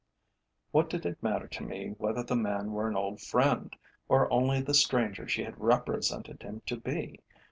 What did it matter to me whether the man were an old friend, or only the stranger she had represented him to be?